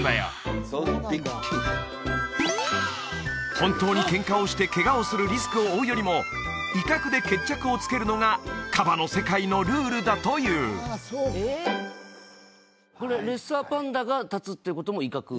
本当にケンカをしてケガをするリスクを負うよりも威嚇で決着をつけるのがカバの世界のルールだというこれレッサーパンダが立つっていうことも威嚇？